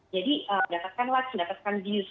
jadi mendapatkan likes mendapatkan views